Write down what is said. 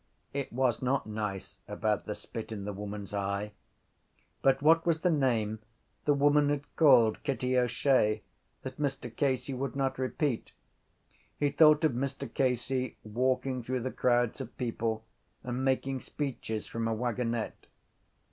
It was not nice about the spit in the woman’s eye. But what was the name the woman had called Kitty O’Shea that Mr Casey would not repeat? He thought of Mr Casey walking through the crowds of people and making speeches from a wagonette.